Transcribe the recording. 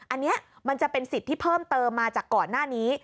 อันนี้มันจะเป็นสิทธิ์ที่เพิ่มเติมมาจากก่อนหน้านี้